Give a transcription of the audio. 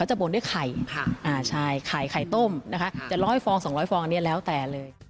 โหเตรียมไข่ต้มดีกว่า